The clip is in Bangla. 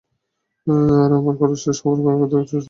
আর আমার খরচ শেষ হবার আগে, তোর সাথে কিছু সময় খরচ করতে চাই।